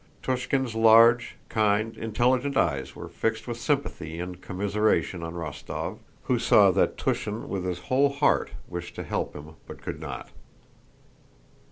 Túshin's large, kind, intelligent eyes were fixed with sympathy and commiseration on Rostóv, who saw that Túshin with his whole heart wished to help him but could not.